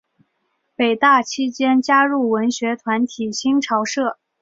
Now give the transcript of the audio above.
北大期间加入文学团体新潮社。